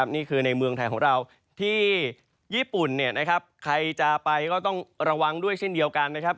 นี่คือในเมืองไทยของเราที่ญี่ปุ่นใครจะไปก็ต้องระวังด้วยเช่นเดียวกันนะครับ